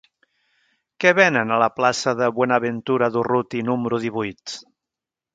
Què venen a la plaça de Buenaventura Durruti número divuit?